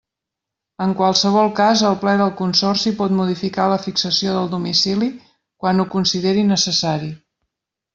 En qualsevol cas el Ple del Consorci, pot modificar la fixació del domicili quan ho consideri necessari.